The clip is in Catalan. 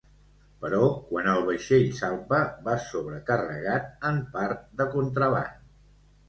Però quan el vaixell salpa, va sobrecarregat, en part de contraban.